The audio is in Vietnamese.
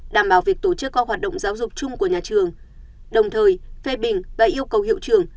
đảm bảo việc tổ chức các hoạt động giáo dục chung của nhà trường đồng thời phê bình và yêu cầu hiệu trường